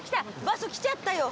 バス来ちゃったよ。